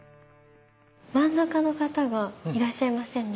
真ん中の方がいらっしゃいませんね。